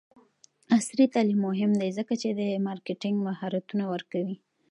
عصري تعلیم مهم دی ځکه چې د مارکیټینګ مهارتونه ورکوي.